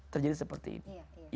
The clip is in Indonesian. terjadi seperti ini